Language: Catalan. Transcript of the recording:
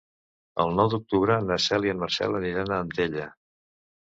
El nou d'octubre na Cel i en Marcel aniran a Antella.